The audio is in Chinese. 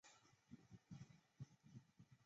名字常被音译为金雪贤。